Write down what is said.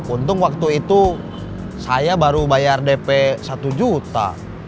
untung waktu itu saya baru bayar dp satu juta